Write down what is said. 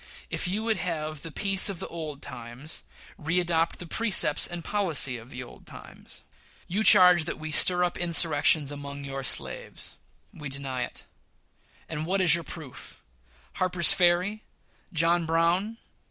If you would have the peace of the old times, readopt the precepts and policy of the old times. You charge that we stir up insurrections among your slaves. We deny it; and what is your proof'? Harper's Ferry! John Brown!!